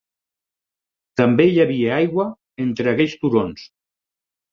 També hi havia aigua entre aquells turons.